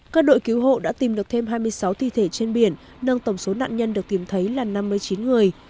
các đội cứu hộ đã tìm được thêm hai mươi sáu thi thể trên biển nâng tổng số nạn nhân được tìm thấy là năm mươi chín người